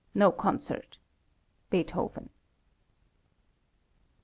No concert. BEETHOVEN.